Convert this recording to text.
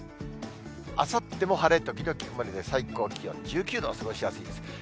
あさっても晴れ時々曇りで最高気温１９度、過ごしやすいです。